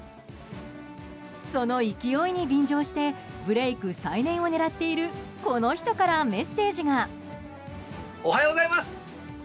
その勢いに便乗してブレーク再燃を狙っているこの人からメッセージが。